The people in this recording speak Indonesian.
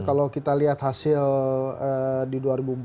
kalau kita lihat hasil di dua ribu empat belas